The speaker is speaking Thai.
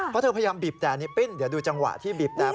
เพราะเธอพยายามบีบแต่อันนี้ปิ้นเดี๋ยวดูจังหวะที่บีบแต่